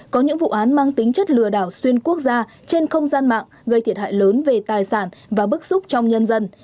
có những vụ án mang tính chất lừa đảo xuyên quốc gia trên không gian mạng gây thiệt hại lớn về tài sản và bức xúc trong nhân dân